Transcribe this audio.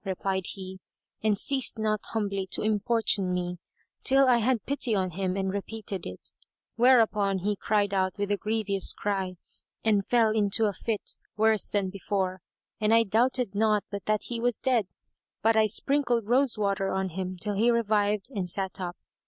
replied he and ceased not humbly to importune me, till I had pity on him and repeated it; whereupon he cried out with a grievous cry and fell into a fit worse than before and I doubted not but that he was dead; but I sprinkled rose water on him till he revived and sat up.